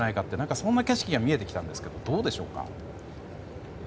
そんな景色が見えてきたんですがどうでしょうか。